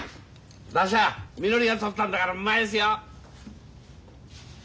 だしはみのりが取ったんだからうまいですよ。